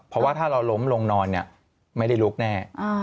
เพราะว่าถ้าเราล้มลงนอนเนี่ยไม่ได้ลุกแน่